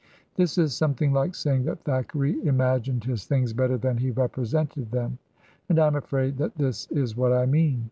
This is something like saying that Thackeray im agined his things better than he represented them; and I am afraid that this is what I mean.